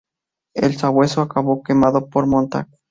El Sabueso acabó quemado por Montag.